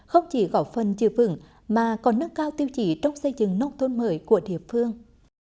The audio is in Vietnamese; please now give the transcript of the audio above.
không chỉ gõ phân dự vững mà còn nâng cao tiêu chỉ trong xây dựng nông thôn mới của địa phương